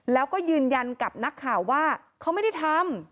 แล้วก็ยืนยันกับนักข่าวว่าเขาไม่ได้ทำ